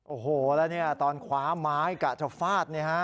โอ้โหแล้วตอนคว้าม้ายกับเฉฟาจ